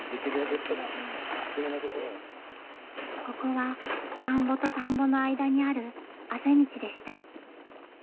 ここは田んぼと田んぼの間にあるあぜ道でした。